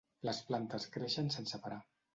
Les plantes creixen sense parar.